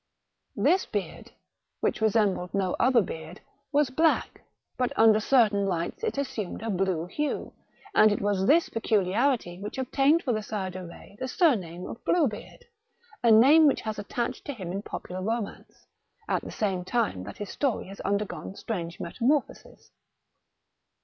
This THE mar:£chal de retz. 209 beard, which resembled no other beard, was black, but under certain lights it assumed a blue hue, and it was this peculiarity which obtained for the Sire de Retz the surname of Blue beard, a name which has attached to him in popular romance, at the same time that his story has undergone strange metamorphoses.